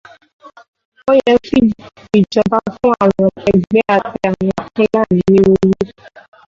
Ó yẹ kí ìjọba fún àwọn àgbẹ̀ àti àwọn Fúlàní ní owó.